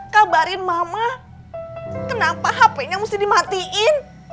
kabarin mama kenapa hpnya mesti dimatiin